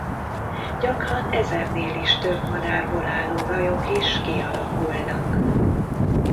Gyakran ezernél is több madárból álló rajok is kialakulnak.